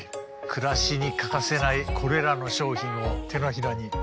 暮らしに欠かせないこれらの商品を手のひらに収めました。